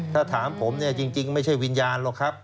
ถ้าถามผมเนี่ยจริงไม่ใช่วิญญาณหรอกครับ